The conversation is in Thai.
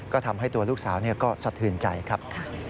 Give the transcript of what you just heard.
ก็ทำให้ตัวลูกสาวก็สะเทือนใจครับ